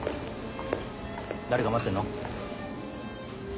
誰か待ってんの？